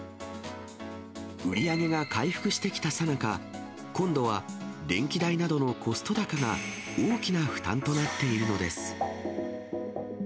売り上げが回復してきたさなか、今度は電気代などのコスト高が大きな負担となっているのです。